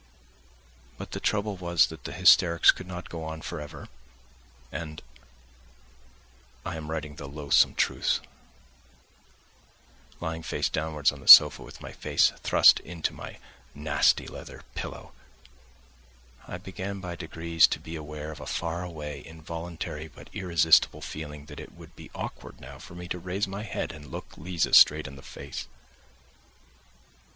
But the trouble was that the hysterics could not go on for ever, and (I am writing the loathsome truth) lying face downwards on the sofa with my face thrust into my nasty leather pillow, I began by degrees to be aware of a far away, involuntary but irresistible feeling that it would be awkward now for me to raise my head and look Liza straight in the face.